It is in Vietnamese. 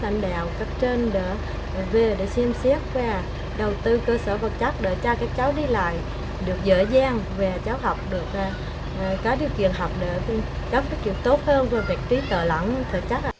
một trường hợp để tìm kiếm kiếm tốt hơn rồi việc tìm tờ lãng thật chắc